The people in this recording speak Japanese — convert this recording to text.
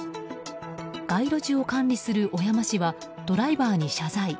街路樹を管理する小山市はドライバーに謝罪。